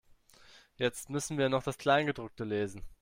Jetzt müssen wir noch das Kleingedruckte lesen.